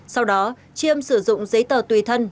sau đó chiêm sử dụng giấy tờ tùy thân